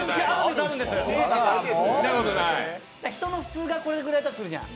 人の普通がこれぐらいだとするじゃん。